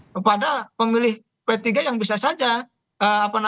kepada pemilih p tiga yang bisa saja